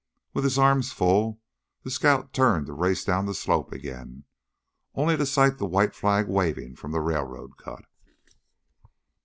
With his arms full, the scout turned to race down the slope again, only to sight the white flag waving from the railroad cut.